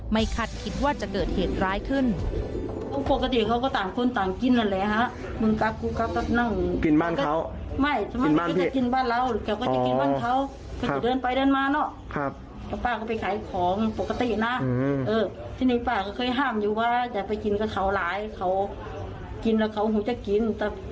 คาดคิดว่าจะเกิดเหตุร้ายขึ้น